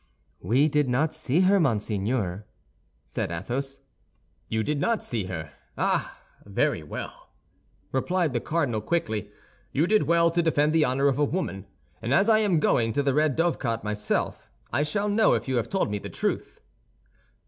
"We did not see her, monseigneur," said Athos. "You did not see her? Ah, very well," replied the cardinal, quickly. "You did well to defend the honor of a woman; and as I am going to the Red Dovecot myself, I shall know if you have told me the truth."